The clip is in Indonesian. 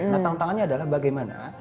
nah tantangannya adalah bagaimana